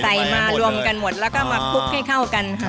ใส่มารวมกันหมดแล้วก็มาคลุกให้เข้ากันค่ะ